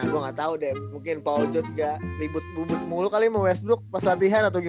ya gua gatau deh mungkin paul joss ga libut bubut mulu kali ini sama westbrook pas latihan apa gitu ya